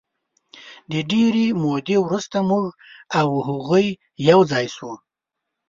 د ډېرې مودې وروسته موږ او هغوی یو ځای شوو.